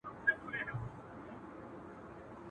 چي ظالم ته مخامخ وي درېدلي !.